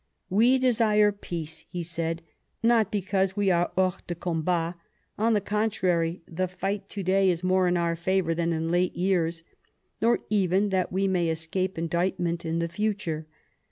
"We desire peace," he said, "not because we are hors de combat ; on the contrary, the fight to day is more in our favour than in late years ; nor even that we may escape indictment in the future